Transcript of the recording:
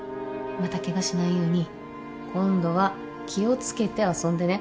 またケガしないように今度は気を付けて遊んでね。